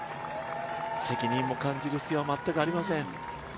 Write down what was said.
責任も感じる必要は全くありません。